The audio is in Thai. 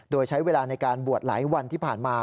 โดยใช้เวลาในการบวชหลายวันที่ผ่านมา